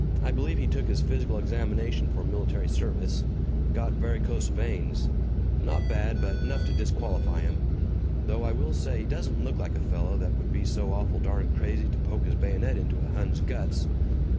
I believe he took his physical examination for military service. Got varicose veins not bad, but enough to disqualify him. Though I will say he doesn't look like a fellow that would be so awful darn crazy to poke his bayonet into a Hun's guts."